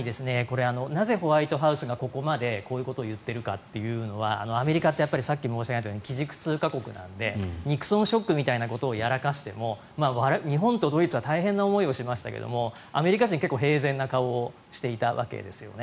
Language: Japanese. なぜホワイトハウスがこういうことを言っているかというのはアメリカってさっき申し上げたように基軸通貨国なのでニクソンショックみたいなことをやらかしても日本とドイツは大変な思いをしましたけどアメリカ人、結構平然な顔をしていたんですね。